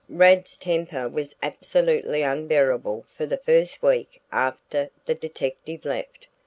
Rad's temper was absolutely unbearable for the first week after the detective left.